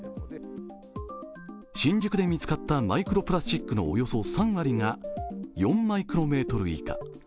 新宿で見つかったマイクロプラスチックのおよそ３割が４マイクロメートル以下。